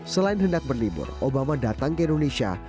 selain hendak berlibur obama datang ke indonesia